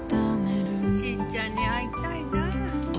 しぃちゃんに会いたいな。